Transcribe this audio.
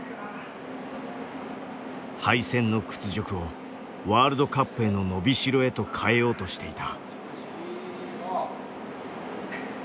敗戦の屈辱をワールドカップへの伸びしろへと変えようとしていた。